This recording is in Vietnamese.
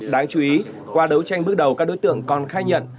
đáng chú ý qua đấu tranh bước đầu các đối tượng còn khai nhận